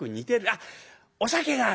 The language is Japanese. あっお酒があるんだ。